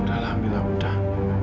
udah lah mila udah